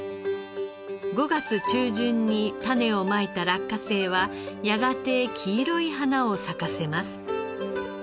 ５月中旬に種をまいた落花生はやがて黄色い花を咲かせます。